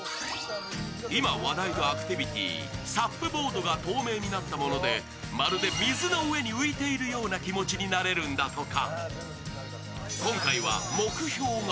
今、話題のアクティビティー、ＳＵＰボードが透明になったものでまるで水の上に浮いているような気持ちになれるんだとか。